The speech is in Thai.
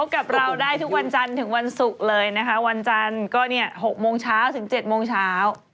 กับเราได้ทุกวันจันทร์ถึงวันศุกร์เลยนะคะวันจันทร์ก็เนี่ย๖โมงเช้าถึง๗โมงเช้า